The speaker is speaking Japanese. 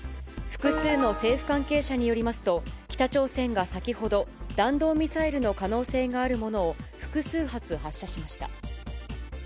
複数の政府関係者によりますと、北朝鮮が先ほど、弾道ミサイルの可能性があるものを複数発、発射しました。